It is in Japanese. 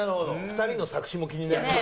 ２人の作詞も気になります。